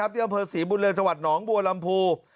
ที่อำเภอศรีบุญเรืองจหนองบัวลำภู